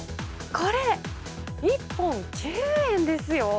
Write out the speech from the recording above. これ、１本９円ですよ。